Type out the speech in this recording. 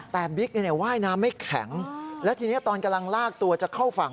แต่บิ๊กว่ายน้ำไม่แข็งและทีนี้ตอนกำลังลากตัวจะเข้าฝั่ง